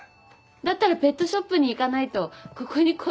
だったらペットショップに行かないとここに子犬はいないわ。